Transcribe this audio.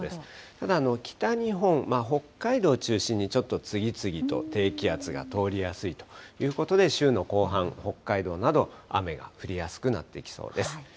ただ、北日本、北海道中心にちょっと次々と低気圧が通りやすいということで、週の後半、北海道など、雨が降りやすくなってきそうです。